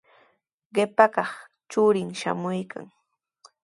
Qipa kaq churin shamuykan.